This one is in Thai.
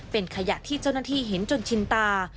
เป็นขยะที่เจ้าหน้าที่เห็นจนชินตา